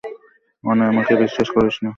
আমাকে বিশ্বাস করিস না?